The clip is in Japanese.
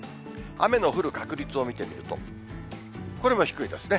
雨の降る確率を見てみると、これも低いですね。